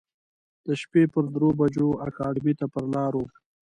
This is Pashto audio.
د شپې پر درو بجو اکاډمۍ ته پر لار و.